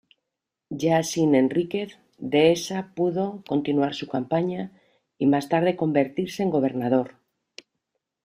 Ya sin Enríquez, Dehesa pudo continuar su campaña —y más tarde convertirse en gobernador—.